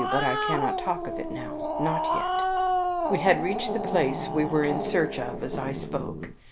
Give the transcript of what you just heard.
But I cannot talk of it now. Not yet." We had reached the place we were in search of as I spoke.